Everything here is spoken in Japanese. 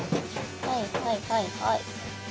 はいはいはいはい。